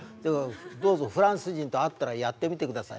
どうぞフランス人と会ったらやってみてください。